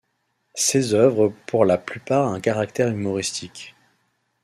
Ses œuvres ont pour la plupart un caractère humoristique.